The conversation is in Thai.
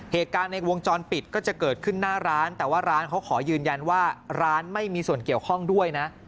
เหตุการณ์ในวงจรปิดก็จะเกิดขึ้นหน้าร้านแต่ว่าร้านเขาขอยืนยันว่าร้านไม่มีส่วนเกี่ยวข้องด้วยนะ